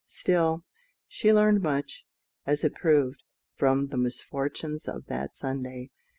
Still, she learned much, as it proved, from the misfortunes of that Sunday.